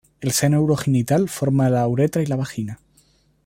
El seno urogenital forma la uretra y la vagina.